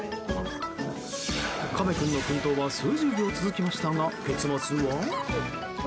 カメ君の奮闘は数十秒続きましたが、結末は。